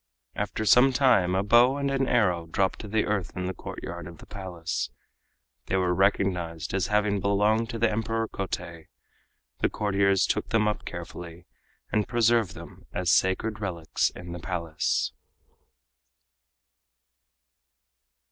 After some time a bow and an arrow dropped to the earth in the courtyard of the Palace. They were recognized as having belonged to the Emperor Kotei. The courtiers took them up carefully and preserved them as sacred relics in the Palace.